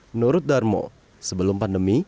menurut darmo sebelum pandemi